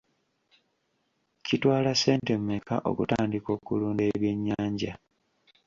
Kitwala ssente mmeka okutandika okulunda ebyennyanja?